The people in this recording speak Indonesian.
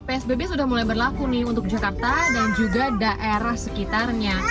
psbb sudah mulai berlaku nih untuk jakarta dan juga daerah sekitarnya